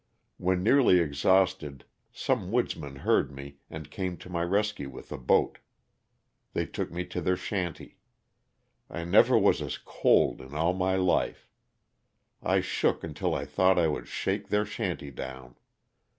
When nearly exhausted some woodsmen heard me and came to my rescue with a boat. They took me to their shanty. I never was as cold in all my life ; I shook until I thought I would shake their shanty down.